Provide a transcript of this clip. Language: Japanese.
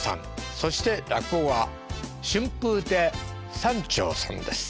そして落語が春風亭三朝さんです。